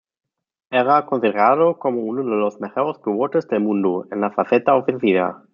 Era considerado como uno de los mejores pivotes del mundo, en la faceta ofensiva.